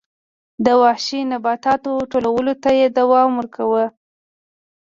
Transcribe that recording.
د وحشي نباتاتو ټولولو ته یې دوام ورکاوه